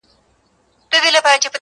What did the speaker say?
هره ټولنه خپل رازونه لري او پټ دردونه هم